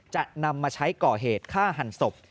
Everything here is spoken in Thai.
จะนำมาใช้ก่อเหตุฆ่าหันศพ